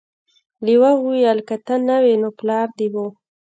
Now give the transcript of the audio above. لیوه وویل که ته نه وې نو پلار دې و.